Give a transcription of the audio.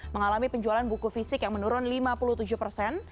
mengalami penjualan buku fisik yang menurun lima puluh tujuh persen